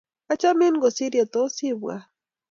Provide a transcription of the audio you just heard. Achamin kosir ye tos ibwat.